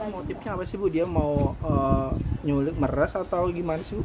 motifnya apa sih bu dia mau nyulik meres atau gimana sih